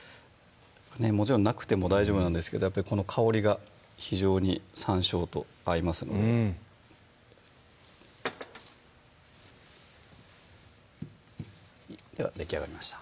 もちろんなくても大丈夫なんですけどやっぱりこの香りが非常に山椒と合いますのでではできあがりました